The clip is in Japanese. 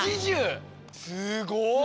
すごい！